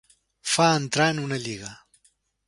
Fa entrar en una lliga.